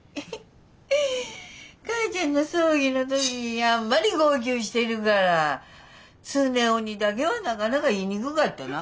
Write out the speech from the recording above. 母ちゃんの葬儀の時あんまり号泣してるから常雄にだけはなかなか言いにぐかったな。